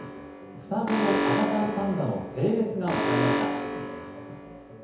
双子の赤ちゃんパンダの性別が分かりました。